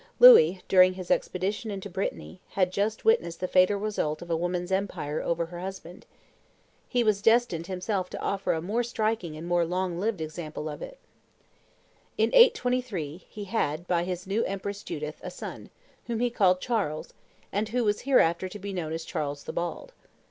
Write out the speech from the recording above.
Louis, during his expedition into Brittany, had just witnessed the fatal result of a woman's empire over her husband; he was destined himself to offer a more striking and more long lived example of it. In 823, he had, by his new empress Judith, a son, whom he called Charles, and who was hereafter to be known as Charles the Bald.